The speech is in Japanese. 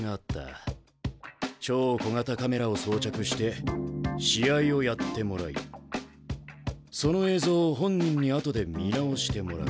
超小型カメラを装着して試合をやってもらいその映像を本人に後で見直してもらう。